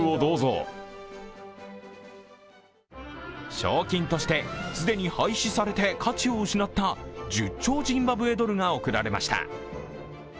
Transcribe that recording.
賞金として、既に廃止されて価値を失った１０兆ジンバブエドルが贈られました。